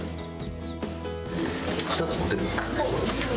２つ持てる？